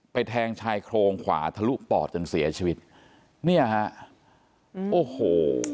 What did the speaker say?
แทงชายโครงขวาทะลุปอดจนเสียชีวิตเนี่ยฮะโอ้โห